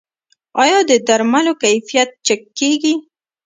آیا د درملو کیفیت چک کیږي؟